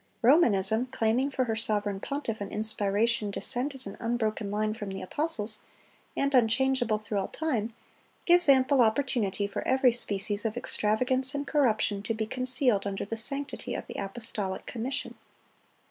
Romanism, claiming for her sovereign pontiff an inspiration descended in unbroken line from the apostles, and unchangeable through all time, gives ample opportunity for every species of extravagance and corruption to be concealed under the sanctity of the apostolic commission.